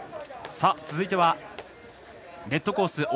続いてはレッドコース